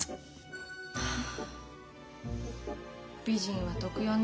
はあ美人は得よね。